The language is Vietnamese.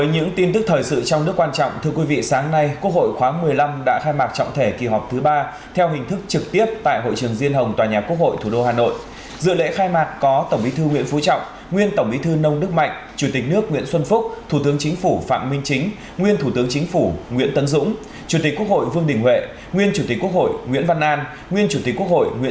hãy đăng ký kênh để ủng hộ kênh của chúng mình nhé